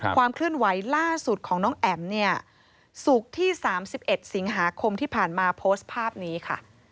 ความเคลื่อนไหวล่าสุดของน้องแอ๋มเนี่ยศุกร์ที่๓๑สิงหาคมที่ผ่านมาโพสต์ภาพนี้ค่ะ